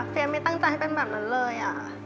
ไม่ตั้งใจให้เป็นแบบนั้นเลย